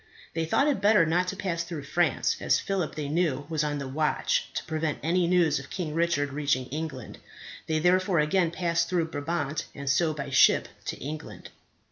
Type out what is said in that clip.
They thought it better not to pass through France, as Philip, they knew, was on the watch to prevent any news of King Richard reaching England. They therefore again passed through Brabant, and so by ship to England.